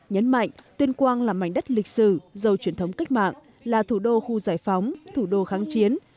nhấn mạnh tuyên quang là mảnh đất lịch sử giàu truyền thống cách mạng là thủ đô khu giải phóng thủ đô kháng chiến